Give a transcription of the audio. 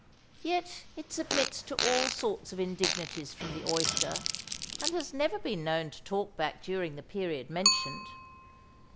Yet it submits to all sorts of indignities from the oyster, and has never been known to talk back during the period mentioned.